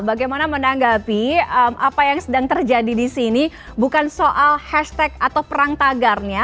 bagaimana menanggapi apa yang sedang terjadi di sini bukan soal hashtag atau perang tagarnya